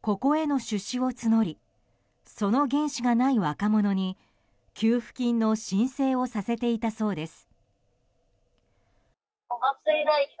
ここへの出資を募りその原資がない若者に給付金の申請をさせていたそうです。